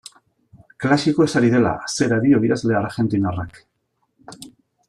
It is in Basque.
Klasikoez ari dela, zera dio idazle argentinarrak.